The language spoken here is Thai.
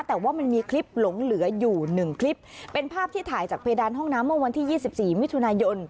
แต่ว่ามันมีคลิปหลงเหลืออยู่หนึ่งคลิปเป็นภาพที่ถ่ายจากเพดานห้องน้ำเมื่อวันที่ยี่สิบสี่มิถุนายน